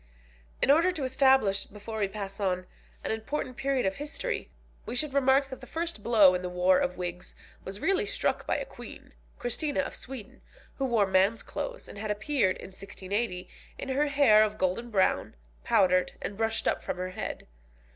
In order to establish, before we pass on, an important period of history, we should remark that the first blow in the war of wigs was really struck by a Queen, Christina of Sweden, who wore man's clothes, and had appeared in 1680, in her hair of golden brown, powdered, and brushed up from her head.